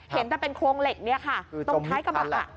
เห็นแต่เป็นโครงเหล็กเนี่ยค่ะตรงท้ายกระบะ